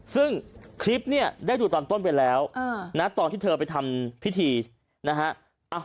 ซึ่งคลิปเนี่ยได้ดูตอนต้นไปแล้วนะตอนที่เธอไปทำพิธีนะฮะ